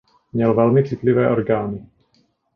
Měl velmi citlivé orgány.